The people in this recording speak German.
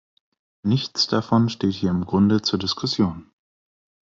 Nichts davon steht hier im Grunde zur Diskussion.